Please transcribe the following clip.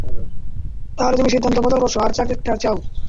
তাহলে তুমি সিদ্ধান্ত বদল করেছো, আর চাকরি টা চাও?